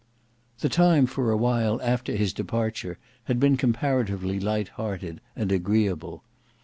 The time for a while after his departure had been comparatively light hearted and agreeable.